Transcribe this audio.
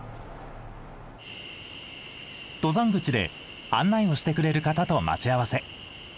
登山口で案内をしてくれる方と待ち合わせ。